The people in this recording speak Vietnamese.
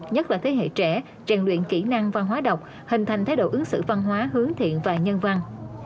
giúp các thế hệ trẻ trang luyện kỹ năng văn hóa độc hình thành thái độ ứng xử văn hóa hướng thiện và nhân văn